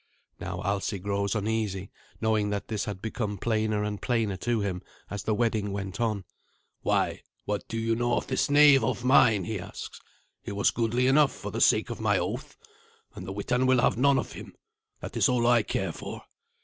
Now Alsi grows uneasy, knowing that this had become plainer and plainer to him as the wedding went on. "Why, what do you know of this knave of mine?" he asks. "He was goodly enough for the sake of my oath, and the Witan will have none of him. That is all I care for."